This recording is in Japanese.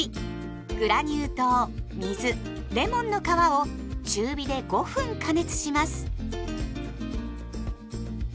グラニュー糖水レモンの皮を中火で５分加熱します。